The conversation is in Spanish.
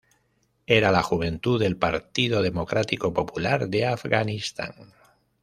Era la juventud del Partido Democrático Popular de Afganistán.